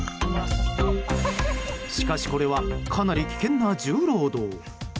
しかし、これはかなり危険な重労働。